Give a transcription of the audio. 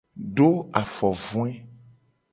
Do afovoe.